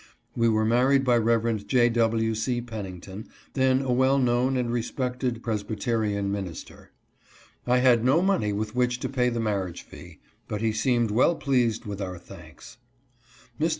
We were married by Rev. J. W. C. Pen nington, then a well known and respected Presbyterian minister. I had no money with which to pay the mar riage fee, but he seemed well pleased with our thanks. Mr.